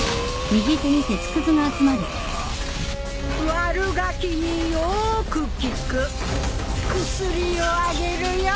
悪ガキによく効く薬をあげるよ。